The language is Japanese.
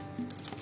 あ！